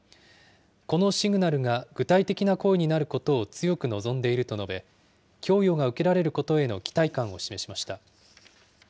このシグナルが具体的な声になることを強く望んでいると述べ、供与が受けられることへの期待感を示しました。